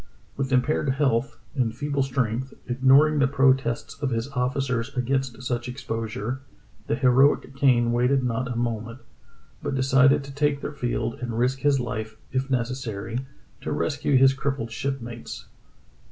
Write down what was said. " With impaired health, in feeble strength, ignoring the protests of his officers against such exposure, the heroic Kane waited not a moment, but decided to take the field and risk his life, if necessary, to rescue his crippled shipmates.